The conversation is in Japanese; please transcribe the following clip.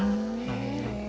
へえ。